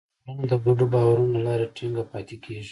ټولنه د ګډو باورونو له لارې ټینګه پاتې کېږي.